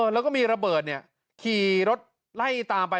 แล้วก็มีระเบิดขี่รถไล่ตามไป